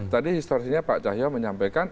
tadi historisinya pak cahyaw menyampaikan